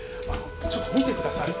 ちょっと見てください。